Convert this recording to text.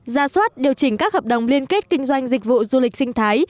ra soát điều chỉnh các hợp đồng liên kết kinh doanh dịch vụ du lịch sinh thái